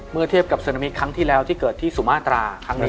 เมื่อเทียบกับซึนามิตรครั้งที่แล้วที่เกิดที่สุมาตราครั้งนี้